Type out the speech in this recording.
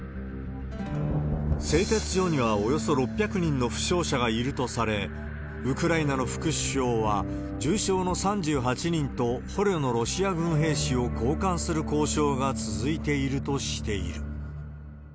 製鉄所にはおよそ６００人の負傷者がいるとされ、ウクライナの副首相は、重傷の３８人と捕虜のロシア軍兵士を交換する交渉が続いているとしている。